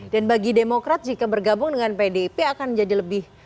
dan bagi demokrat jika bergabung dengan pdip akan jadi lebih